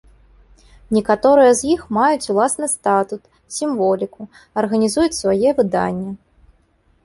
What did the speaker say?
Некаторыя з іх маюць уласны статут, сімволіку, арганізуюць свае выданні.